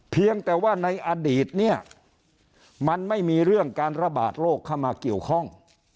เพียงแต่ว่าในอดีตเนี่ยมันไม่มีเรื่องการระบาดโรคเข้ามาเกี่ยวข้อง